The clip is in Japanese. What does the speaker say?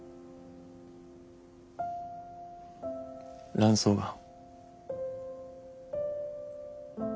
卵巣がん。